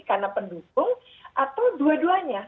karena pendukung atau dua duanya